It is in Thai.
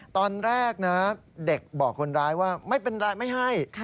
ตอนแรกนะเด็กบอกคนร้ายว่าไม่เป็นไรไม่ให้